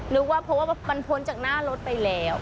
นึกว่าเพราะว่ามันพ้นจากหน้ารถไปแล้ว